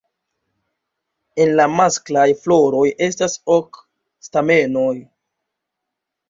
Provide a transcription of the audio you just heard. En la masklaj floroj estas ok stamenoj.